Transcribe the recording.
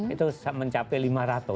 itu mencapai lima ratus